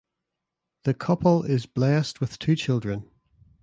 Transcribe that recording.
The couple is blessed with two children.